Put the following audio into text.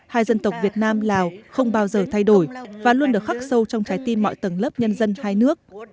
hai dân tộc việt nam lào không bao giờ thay đổi và luôn được khắc sâu trong trái tim mọi tầng lớp nhân dân hai nước